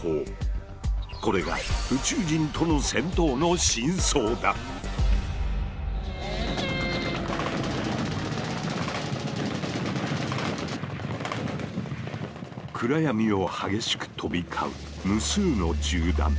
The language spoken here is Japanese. これが暗闇を激しく飛び交う無数の銃弾。